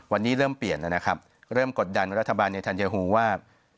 วันนี้เริ่มเปลี่ยนนะครับเริ่มกดดันรัฐบาลในทันเยฮูว่า